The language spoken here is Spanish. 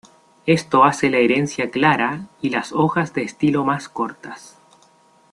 Esto hace la herencia clara y las hojas de estilo más cortas.